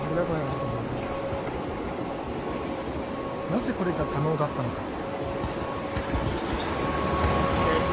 なぜこれが可能だったのか。